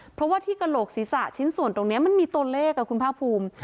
เพราะว่าที่กระโหลกศีรษะชิ้นส่วนตรงนี้มันมีตัวเลขคุณภาคภูมิ